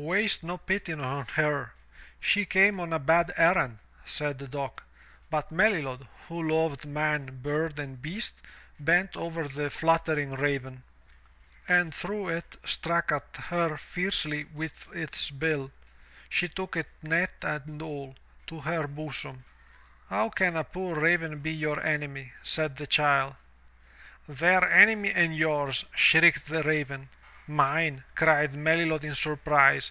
"Waste no pity on her. She came on a bad errand," said Dock. But Melilot, who loved man, bird and beast, bent over the 249 MY BOOK HOUSE fluttering raven, and though it struck at her fiercely with its bill, she took it net and all, to her bosom. "How can a poor raven be your enemy?*' said the child. "Their enemy and yours/* shrieked the raven. "Mine,'* cried Melilot in surprise.